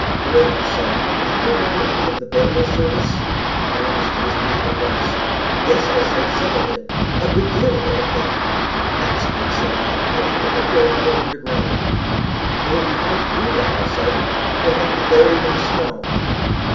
"More," said he, "do you remember any of the burial service?" I understood his meaning at once. "Yes," I said, "some of it a good deal of it, I think." "That's good," said he. "Let's put the poor fellow under ground." "It would be hard to do that," I said; "we'll have to bury him in the snow."